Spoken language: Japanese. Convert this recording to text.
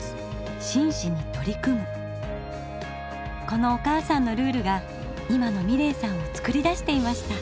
このお母さんのルールが今の美礼さんを作り出していました。